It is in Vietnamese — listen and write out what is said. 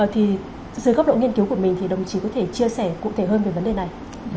thì dưới góc độ nghiên cứu của mình thì đồng chí có thể chia sẻ cụ thể hơn về vấn đề này